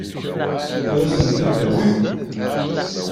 Ad asen-tt-id-tawim?